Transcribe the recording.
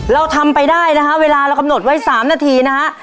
เราทำไปได้นะฮะเวลาเรากำหนดไว้๓นาทีนะฮะ